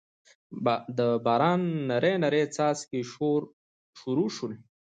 دباران نري نري څاڅکي شورو شول